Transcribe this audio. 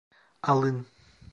Alın.